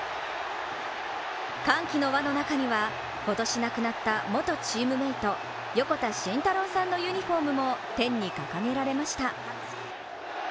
歓喜の輪の中には、今年亡くなった元チームメート横田慎太郎さんのユニフォームも天に掲げられました。